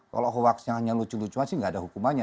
kalau hoaxnya hanya lucu lucu aja nggak ada hukumannya